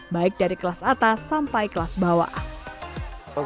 baik dari kelas atas sampai kelas bawah